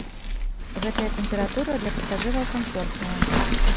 Гэтая тэмпература для пасажыраў камфортная.